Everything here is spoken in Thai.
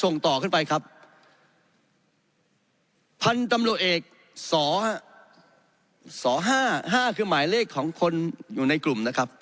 ส่งต่อขึ้นไปครับพันธุ์ตำรวจเอกสสห้าห้าคือหมายเลขของคนอยู่ในกลุ่มนะครับ